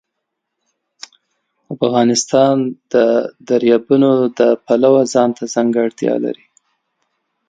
افغانستان د دریابونه د پلوه ځانته ځانګړتیا لري.